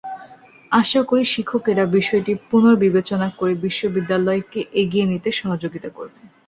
আশা করি শিক্ষকেরা বিষয়টি পুনর্বিবেচনা করে বিশ্ববিদ্যালয়কে এগিয়ে নিতে সহযোগিতা করবেন।